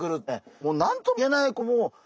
もう何とも言えない